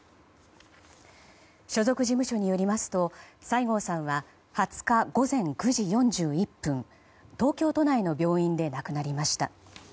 所属事務所によりますと西郷さんは２０日午前９時４１分東京都内の病院で亡くなりました。